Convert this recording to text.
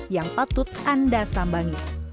yang patut anda sambangi